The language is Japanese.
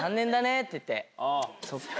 そっか。